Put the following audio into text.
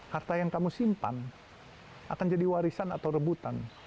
harta yang kamu simpan akan jadi warisan atau rebutan